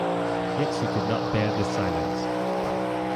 Yet she could not bear this silence.